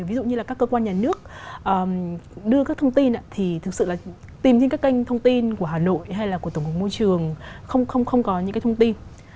ví dụ như là các cơ quan nhà nước đưa các thông tin thì thực sự là tìm trên các kênh thông tin của hà nội hay là của tổng cục môi trường không có những cái thông tin